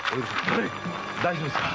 大丈夫ですか？